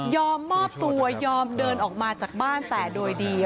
ยอมมอบตัวยออกมาจากบ้านแต่โดยดี